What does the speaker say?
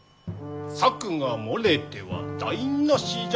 策が漏れては台なしじゃ。